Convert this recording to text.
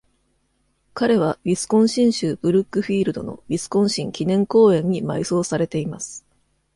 彼は、ウィスコンシン州ブルックフィールドのウィスコンシン記念公園に埋葬されています。